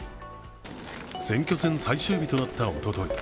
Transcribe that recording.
選挙戦最終日となったおととい。